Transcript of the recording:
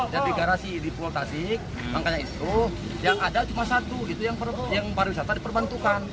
jadi garasi di pulau tasik angkanya istuh yang ada cuma satu yang para wisata diperbantukan